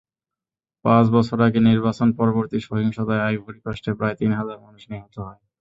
পাঁচ বছর আগে নির্বাচন-পরবর্তী সহিংসতায় আইভরি কোস্টে প্রায় তিন হাজার মানুষ নিহত হয়।